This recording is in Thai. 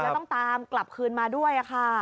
ต้องตามกลับคืนมาด้วย